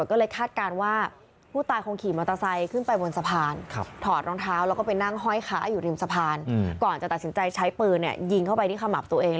หลังจากตัดสินใจใช้ปืนเนี่ยยิงเข้าไปที่ขมับตัวเอง